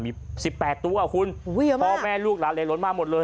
มี๑๘ตัวคุณพ่อแม่ลูกหลานเลยล้นมาหมดเลย